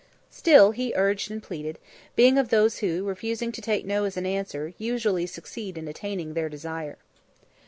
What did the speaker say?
Still he urged and pleaded, being of those who, refusing to take No as an answer, usually succeed in attaining their desire.